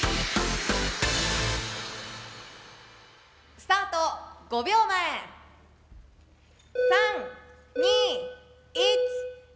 スタート５秒前３２１スタート！